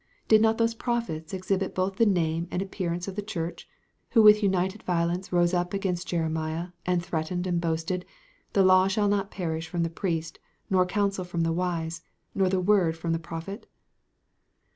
Did not those prophets exhibit both the name and appearance of the Church, who with united violence rose up against Jeremiah, and threatened and boasted, "the law shall not perish from the priest, nor counsel from the wise, nor the word from the prophet?"